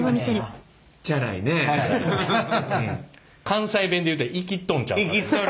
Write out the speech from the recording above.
関西弁で言うたらいきっとんちゃうか。